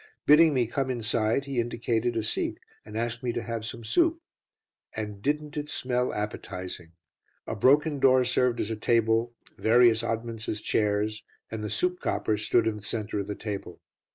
Bidding me come inside he indicated a seat, and asked me to have some soup. And didn't it smell appetising! A broken door served as a table; various oddments, as chairs and the soup copper, stood in the centre of the table.